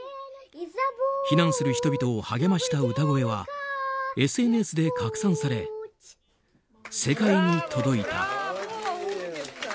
避難する人々を励ました歌声はＳＮＳで拡散され世界に届いた。